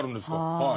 はい。